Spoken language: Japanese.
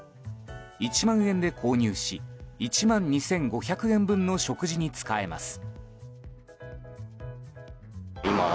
１万円で購入し１万２５００円分の食事に使えます。